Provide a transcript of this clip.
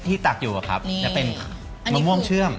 ที่ตักอยู่นะครับมะม่วงเชื่อม